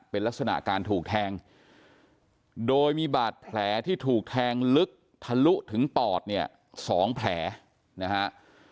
เป็นลักษณะการถูกแทงโดยมีบาดแผลที่ถูกแทงลึกทะลุถึงปอดเนี่ย๒แผลนะฮะ